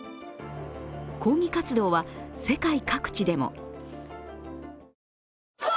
抗議活動は、世界各地でも。